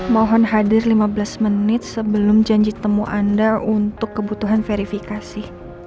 mohon hadir lima belas menit sebelum janji temu anda untuk kebutuhan verifikasi